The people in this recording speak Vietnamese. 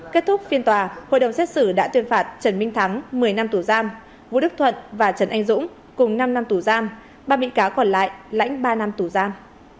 kết thúc phiên tòa hội đồng xét xử đã tuyên phạt trần minh thắng một mươi năm tù giam vũ đức thuận và trần anh dũng cùng năm năm tù giam ba bị cáo còn lại lãnh ba năm tù giam